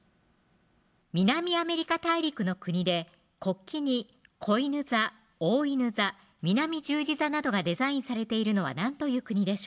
南アメリカ大陸の国で国旗にこいぬ座・おおいぬ座・南十字座などがデザインされているのは何という国でしょう